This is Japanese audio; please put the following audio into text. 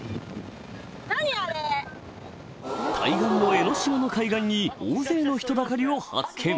対岸の江の島の海岸に大勢の人だかりを発見